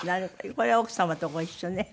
これは奥様とご一緒ね。